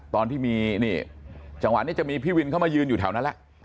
ตอนที่มีนี่จังหวะนี้จะมีพี่วินเข้ามายืนอยู่แถวนั้นแหละ